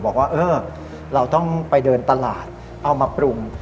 บอกว่าเออเราต้องไปเดินตลาดเอามาปรุง